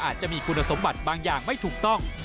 อาจจะมีคุณสมบัติบางอย่างไม่ถูกต้อง